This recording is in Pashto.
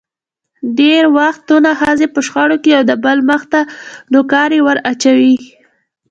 ډېری وختونه ښځې په شخړو کې یو دبل مخ ته نوکارې ور اچوي.